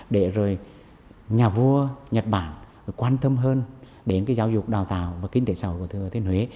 để rồi nhà vua nhật bản quan tâm hơn đến cái giáo dục đào tạo và kinh tế sầu của thừa thiên huế